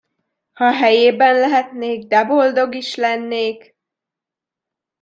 Ha a helyében lehetnék, de boldog is lennék!